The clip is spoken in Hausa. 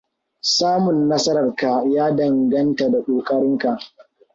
Samun nasarar ka ya danganta da ƙokarinka.